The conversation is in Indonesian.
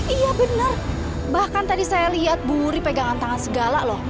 iya benar bahkan tadi saya lihat bu uri pegangan tangan segala loh